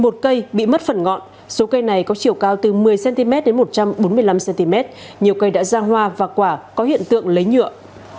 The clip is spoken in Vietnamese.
một cây bị mất phần ngọn số cây này có chiều cao từ một mươi cm đến một trăm bốn mươi năm cm nhiều cây đã giang hoa và quả có hiện tượng lấy nhựa